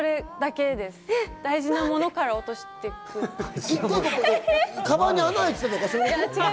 大事なものから落としていくという。